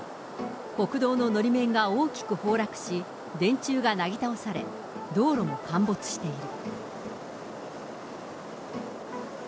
国道ののり面が大きく崩落し、電柱がなぎ倒され、道路も陥没している。